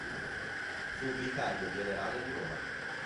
Fu Vicario Generale di Roma.